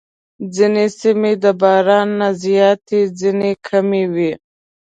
ځینې سیمې د باران نه زیاتې، ځینې کمې وي.